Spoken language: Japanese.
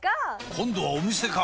今度はお店か！